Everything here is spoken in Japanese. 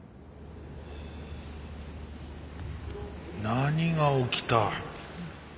何が起きた？